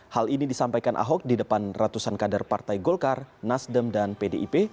hal ini disampaikan ahok di depan ratusan kader partai golkar nasdem dan pdip